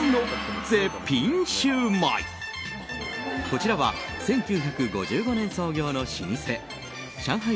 こちらは１９５５年創業の老舗上海